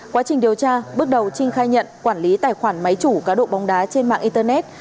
quá trình điều tra bước đầu trinh khai nhận quản lý tài khoản máy chủ cá độ bóng đá trên mạng internet